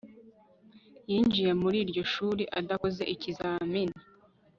Yinjiye muri iryo shuri adakoze ikizamini